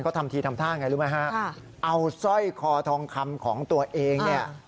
เขาทำทีทำท่าไงรู้ไหมฮะเอาสร้อยคอทองคำของตัวเองเนี่ย